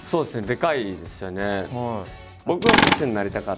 でかいですよね。